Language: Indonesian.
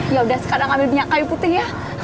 ya udah sekarang ambil minyak kayu putih ya